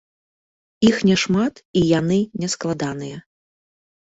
Іх няшмат, і яны нескладаныя.